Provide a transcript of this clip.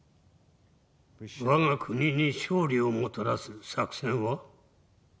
我が国に勝利をもたらす作戦は？